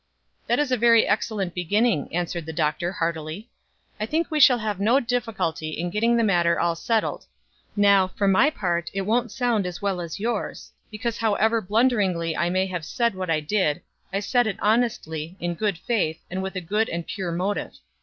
"That is a very excellent beginning," answered the Doctor, heartily. "I think we shall have no difficulty in getting the matter all settled Now, for my part, it won't sound as well as yours, because however blunderingly I may have said what I did, I said it honestly, in good faith, and with a good and pure motive.